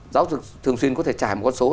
giáo dục thường xuyên có thể trải một con số